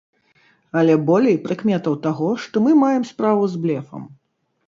Але болей прыкметаў таго, што мы маем справу з блефам.